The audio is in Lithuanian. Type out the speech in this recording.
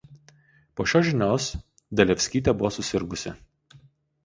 Po šios žinios Dalevskytė buvo susirgusi.